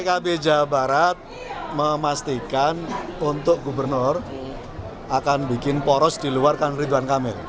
pkb jawa barat memastikan untuk gubernur akan bikin poros di luar kan ridwan kamil